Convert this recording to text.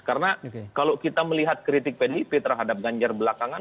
karena kalau kita melihat kritik pdip terhadap ganjar belakangan